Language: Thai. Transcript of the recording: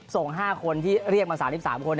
ส่ง๕คนที่เรียกมา๓๓คน